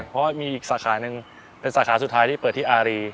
เพราะว่ามีอีกสาขาหนึ่งเป็นสาขาสุดท้ายที่เปิดที่อารี